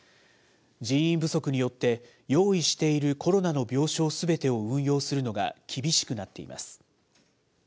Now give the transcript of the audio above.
人員不足によって用意しているコロナの病床すべてを運用するのが厳しくなっています。